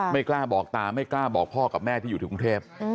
ไม่กล้าบอกตาไม่กล้าบอกพ่อกับแม่ที่อยู่ที่กรุงเทพ